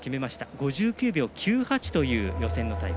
５９秒９８という予選のタイム。